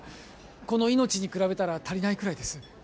この命に比べたら足りないくらいです